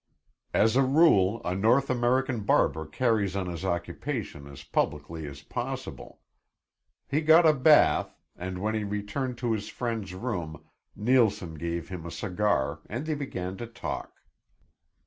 As a rule, a North American barber carries on his occupation as publicly as possible. He got a bath, and when he returned to his friend's room Neilson gave him a cigar and they began to talk.